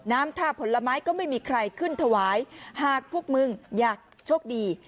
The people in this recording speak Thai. น้ำท่าผลไม้ก็ไม่มีใครขึ้นถวายหากพวกมึงอยากโชคดี